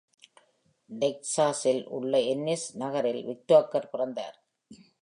டெக்ஸாஸில் உள்ள என்னிஸ் நகரில் விட்டேக்கர் பிறந்தார்.